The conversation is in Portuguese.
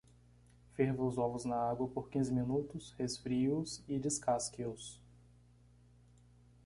Ferva os ovos na água por quinze minutos, resfrie-os e descasque-os.